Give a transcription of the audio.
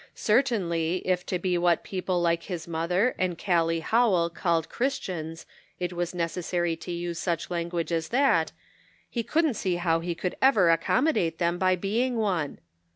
Certainly, if to be what people like his mother and Gallic Howell called Chris tians, it was necessary to use such language as "They Are Not Wise." 173 that, he couldn't see how he could ever accom modate them by being one.